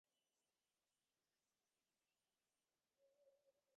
তারপর কালে সকলের মত লয়ে কাজ করা হবে।